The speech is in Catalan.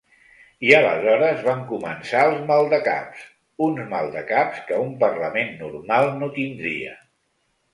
I aleshores van començar els maldecaps, uns maldecaps que un parlament normal no tindria.